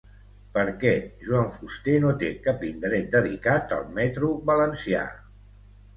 Per què Joan Fuster no té cap indret dedicat al metro valencià?